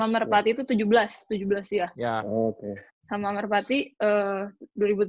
pertama tuh dua ribu tujuh belas sama merpati itu tujuh belas ya